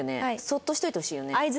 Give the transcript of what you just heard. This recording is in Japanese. そっとしておいてほしいよね？